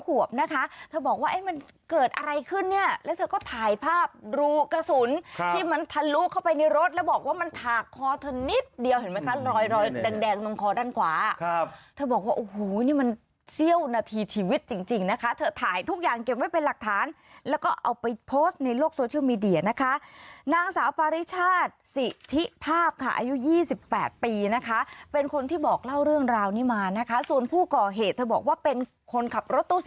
ว่ามันถากคอเธอนิดเดียวเห็นไหมคะรอยแดงตรงคอด้านขวาครับเธอบอกว่าโอ้โฮนี่มันเสี่ยวนาทีชีวิตจริงนะคะเธอถ่ายทุกอย่างเก็บไว้เป็นหักฐานแล้วก็เอาไปโพสต์ในโลกโซเชิลมีเดียนะคะนางสาวฟริชาชสิทธิภาพค่ะอายุ๒๘ปีนะคะเป็นคนที่บอกเล่าเรื่องราวนี้มานะคะส่วนผู้ก่อเหตุเธอบอกว่าเป็นคนขั